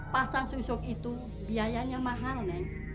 pasang susuk itu biayanya mahal neng